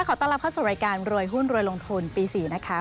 ขอต้อนรับเข้าสู่รายการรวยหุ้นรวยลงทุนปี๔นะคะ